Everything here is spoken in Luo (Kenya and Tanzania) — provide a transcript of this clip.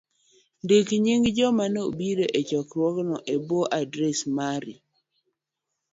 ndik nying joma nobiro e chokruogno e bwo adres mari.